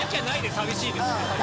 寂しいですね。